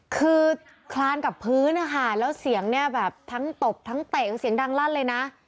คือคลานกับพื้นนะคะแล้วเสียงเนี่ยแบบทั้งตบทั้งเตะเสียงดังลั่นเลยนะ